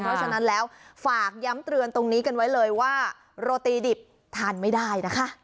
เพราะฉะนั้นแล้วฝากย้ำเตือนตรงนี้กันไว้เลยว่าโรตีดิบทานไม่ได้นะคะ